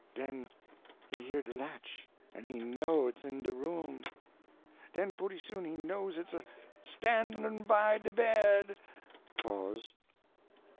_ Den he hear de latch, en he _know _it's in de room! Den pooty soon he know it's a stannin' by de bed!